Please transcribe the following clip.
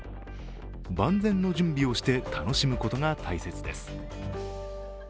万全の準備をして楽しむことが大切です。